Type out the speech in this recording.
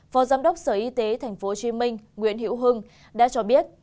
phó giám đốc sở y tế tp hcm nguyễn hữu hưng đã cho biết